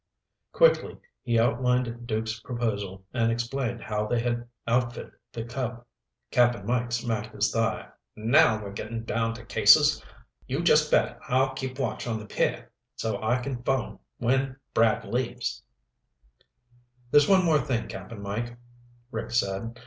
Quickly he outlined Duke's proposal and explained how they had outfitted the Cub. Cap'n Mike smacked his thigh. "Now we're getting down to cases. You just bet I'll keep watch on the pier so I can phone when Brad leaves." "There's one more thing, Cap'n Mike," Rick said.